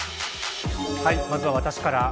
まずは私から。